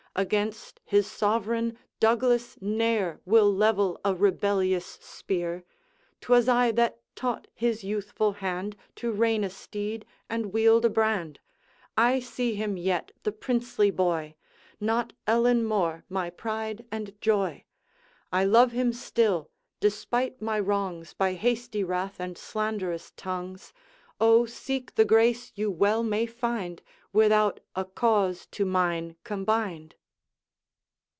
Against his sovereign, Douglas ne'er Will level a rebellious spear. 'T was I that taught his youthful hand To rein a steed and wield a brand; I see him yet, the princely boy! Not Ellen more my pride and joy; I love him still, despite my wrongs By hasty wrath and slanderous tongues. O. seek the grace you well may find, Without a cause to mine combined!'